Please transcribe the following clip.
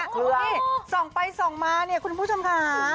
นี่ส่องไปส่องมาเนี่ยคุณผู้ชมค่ะ